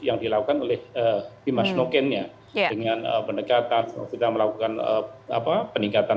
yang dilakukan oleh pimas nokennya dengan pendekatan kita melakukan peningkatan